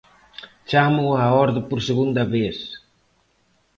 Chámoo á orde por segunda vez.